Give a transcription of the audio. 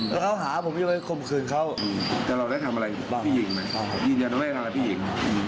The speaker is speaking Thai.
แล้วเค้าหาผมไว้คมคืนได้ทำอะไรอะไรพี่หญิง